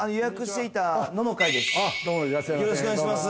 よろしくお願いします